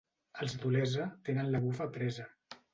Els d'Olesa tenen la bufa presa.